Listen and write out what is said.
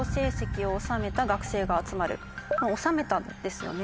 「収めた」ですよね